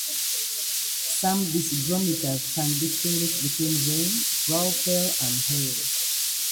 Some disdrometers can distinguish between rain, graupel, and hail.